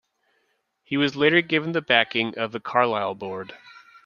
He was later given the backing of the Carlisle board.